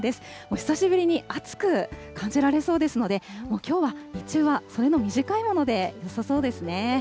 久しぶりに暑く感じられそうですので、きょうは日中は袖の短いものでよさそうですね。